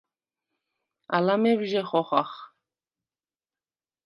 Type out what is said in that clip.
ალა მევჟე ხოხახ.